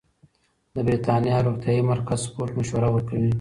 د بریتانیا روغتیايي مرکز سپورت مشوره ورکوي.